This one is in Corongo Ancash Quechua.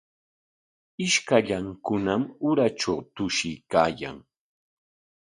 Ishkallankunam uratraw tushuykaayan.